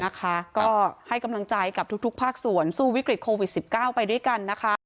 นะคะก็ให้กำลังใจกับทุกภาคส่วนสู้วิกฤตโควิด๑๙ไปด้วยกันนะคะ